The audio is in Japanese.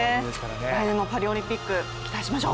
来年のパリオリンピック、期待しましょう。